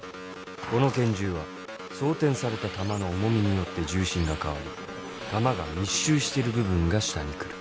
この拳銃は装てんされた弾の重みによって重心が変わり弾が密集してる部分が下に来る。